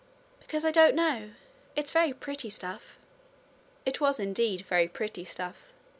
'Because I don't know. It's very pretty stuff.' It was indeed very pretty stuff.